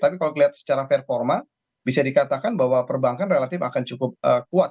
tapi kalau dilihat secara performa bisa dikatakan bahwa perbankan relatif akan cukup kuat